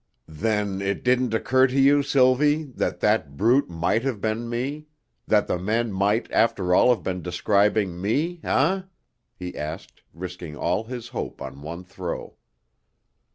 "Then it didn't occur to you, Sylvie, that that brute might have been me that the men might, after all, have been describing me eh?" he asked, risking all his hope on one throw.